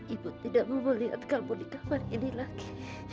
ibu tidak mau melihat kamu di kamar ini lagi